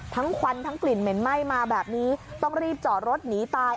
ควันทั้งกลิ่นเหม็นไหม้มาแบบนี้ต้องรีบจอดรถหนีตาย